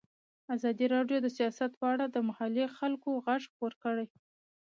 ازادي راډیو د سیاست په اړه د محلي خلکو غږ خپور کړی.